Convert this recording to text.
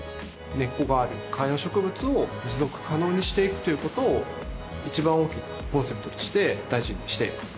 根っこがある観葉植物を持続可能にしていくということを一番大きなコンセプトとして大事にしています